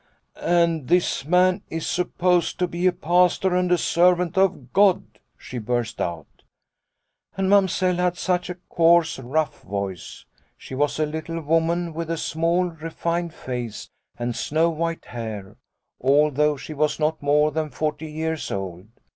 ' And this man is supposed to be a Pastor and servant of God/ she burst out. " And Mamsell had such a coarse, rough voice. She was a little woman with a small, refined face and snow white hair, although she was not more than forty years old.